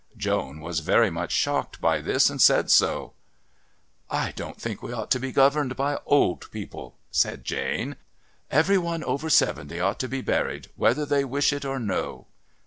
Joan was very much shocked by this and said so. "I don't think we ought to be governed by old people," said Jane. "Every one over seventy ought to be buried whether they wish it or no."